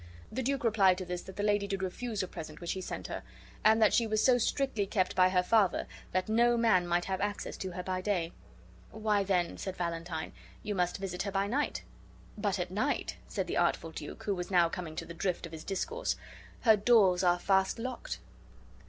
The duke replied to this that the lady did refuse a present which he sent her, and that she was so strictly kept by her father that no man might have access to her by day. "Why, then," said Valentine, "you must visit her by night." "But at night," said the artful duke, who was now coming to the drift of his discourse, "her doors are fast locked."